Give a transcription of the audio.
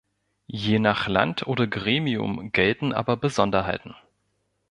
Je nach Land oder Gremium gelten aber Besonderheiten.